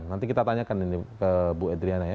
nanti kita tanyakan ini ke bu edriana ya